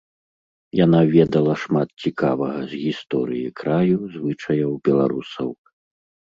Яна ведала шмат цікавага з гісторыі краю, звычаяў беларусаў.